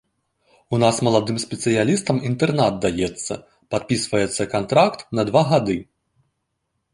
У нас маладым спецыялістам інтэрнат даецца, падпісваецца кантракт на два гады.